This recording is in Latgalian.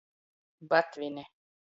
Batvini.